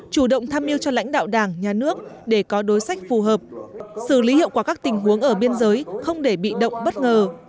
chủ động tham mưu cho lãnh đạo đảng nhà nước để có đối sách phù hợp xử lý hiệu quả các tình huống ở biên giới không để bị động bất ngờ